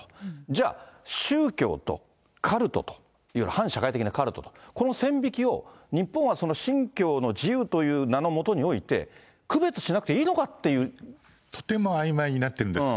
じゃあ、宗教とカルトと、いわゆる反社会的なカルトと、この線引きを、日本は信教の自由という名の下において、区別しなくていいのかっとてもあいまいになってるんです。